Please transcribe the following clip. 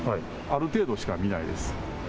ある程度しか見ないです。